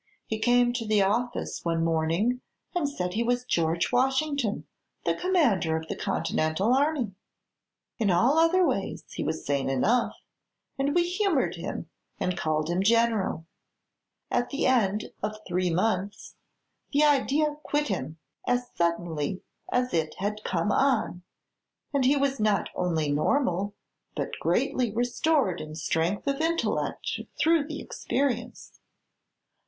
He came to the office one morning and said he was George Washington, the Commander of the Continental Army. In all other ways he was sane enough, and we humored him and called him 'General.' At the end of three months the idea quit him as suddenly as it had come on, and he was not only normal but greatly restored in strength of intellect through the experience.